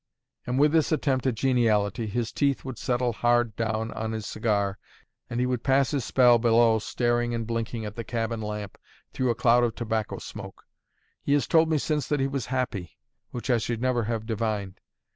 And with this attempt at geniality, his teeth would settle hard down on his cigar, and he would pass his spell below staring and blinking at the cabin lamp through a cloud of tobacco smoke. He has told me since that he was happy, which I should never have divined.